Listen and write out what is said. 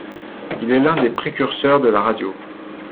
Il est l'un des précurseurs de la radio.